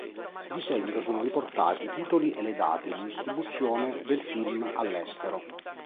Di seguito sono riportati i titoli e le date di distribuzione del film all'estero.